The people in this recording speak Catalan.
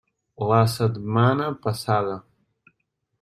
La setmana passada.